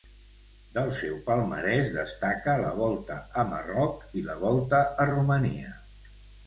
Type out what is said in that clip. Del seu palmarès destaca la Volta a Marroc i la Volta a Romania.